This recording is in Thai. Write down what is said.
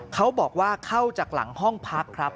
เขาบอกว่าเข้าจากหลังห้องพักครับ